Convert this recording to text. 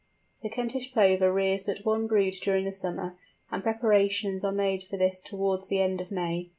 The Kentish Plover rears but one brood during the summer, and preparations are made for this towards the end of May.